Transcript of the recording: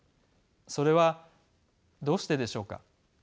それはどうしてでしょうか。